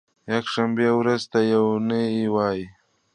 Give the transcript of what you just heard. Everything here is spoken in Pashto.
یکشنبې ورځې ته یو نۍ وایی